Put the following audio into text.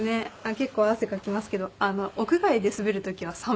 結構汗かきますけど屋外で滑る時は寒いですね